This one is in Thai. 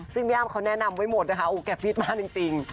ซึ่งพี่อ้ำเขาแนะนำไว้หมดนะคะโอ้แกฟิตมากจริง